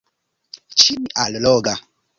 Ĉin-alloga